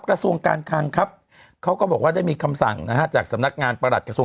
กระทรวงการคลังครับเขาก็บอกว่าได้มีคำสั่งนะฮะจากสำนักงานประหลัดกระทรวง